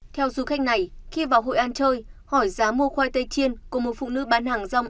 theo du khách này khi vào hội an chơi hỏi giá mua khoai tây chiên của một phụ nữ bán hàng rong